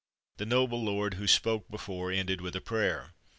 The noble lord who spoke before ended with a prayer.